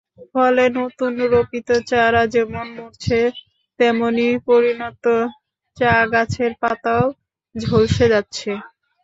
ফলে নতুন রোপিত চারা যেমন মরছে, তেমনি পরিণত চা-গাছের পাতাও ঝলসে যাচ্ছে।